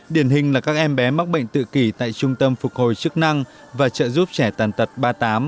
điển hình là các em bé mắc bệnh tự kỷ tại trung tâm phục hồi chức năng và trợ giúp trẻ tàn tật ba mươi tám